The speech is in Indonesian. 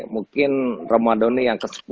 mungkin ramadan yang ke sepuluh